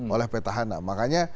oleh petahana makanya